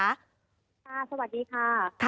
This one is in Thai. สวัสดีค่ะ